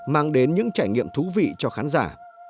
mang đến những trải nghiệm thú vị cho khán giả